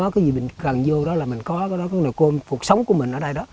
cái gì mình cần vô đó là mình có cái nồi cơm phục sống của mình ở đây đó